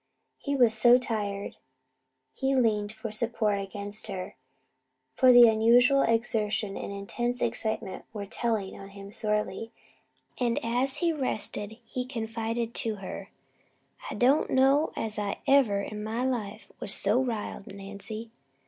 He was so tired he leaned for support against her, for the unusual exertion and intense excitement were telling on him sorely, and as he rested he confided to her: "I don't know as I ever in my life was so riled, Nancy.